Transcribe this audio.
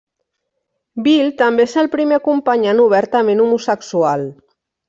Bill també és el primer acompanyant obertament homosexual.